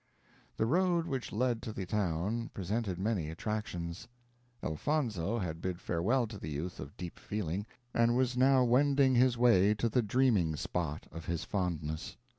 The road which led to the town presented many attractions. Elfonzo had bid farewell to the youth of deep feeling, and was now wending his way to the dreaming spot of his fondness.